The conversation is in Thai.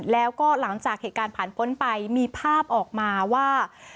แล้วก็หลังจากเหตุการณ์ผ่านพ้นไปมีภาพออกมาว่า